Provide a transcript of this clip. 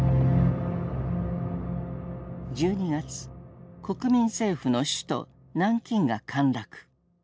１２月国民政府の首都南京が陥落。